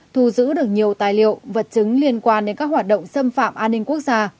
thu giữ được nhiều tài liệu vật chứng liên quan đến các hoạt động xâm phạm an ninh quốc gia